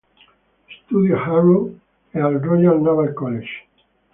Studiò a Harrow e al Royal Naval College.